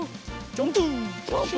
ジャンプ！